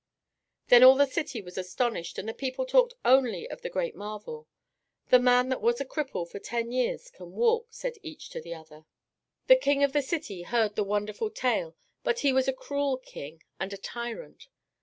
Then all the city was astonished, and the people talked only of the great marvel. "The man that was a cripple for ten years can walk," each said to the other. The king of the city heard the wonderful tale, but he was a cruel king and a tyrant.